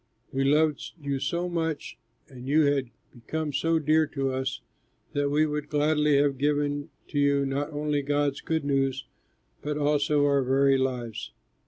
We loved you so much and you had become so dear to us that we would gladly have given to you not only God's good news, but also our very lives.